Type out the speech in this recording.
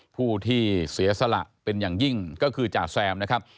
ผู้ที่เสียสละเป็นอย่างยิ่งก็คือจ่าแซมนะครับ